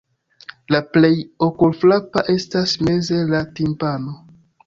La plej okulfrapa estas meze la timpano.